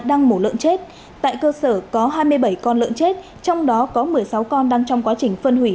đang mổ lợn chết tại cơ sở có hai mươi bảy con lợn chết trong đó có một mươi sáu con đang trong quá trình phân hủy